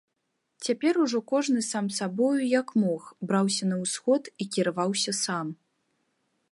Цяпер ужо кожны сам сабою, як мог, браўся на ўсход і кіраваўся сам.